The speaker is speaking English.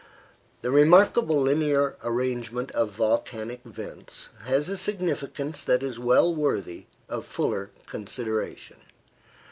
The remarkable linear arrangement of volcanic vents has a significance that is well worthy of fuller consideration.